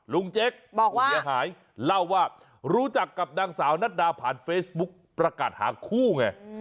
เจ๊กผู้เสียหายเล่าว่ารู้จักกับนางสาวนัดดาผ่านเฟซบุ๊กประกาศหาคู่ไง